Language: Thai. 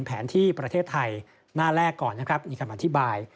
แผนที่ประเทศไทยหน้าแรกก่อนนะครับมีคำอธิบาย